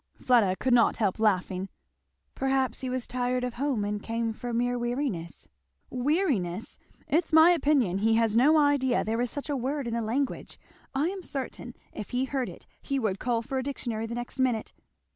Fleda could not help laughing. "Perhaps he was tired of home and came for mere weariness." "Weariness! it's my opinion he has no idea there is such a word in the language, I am certain if he heard it he would call for a dictionary the next minute.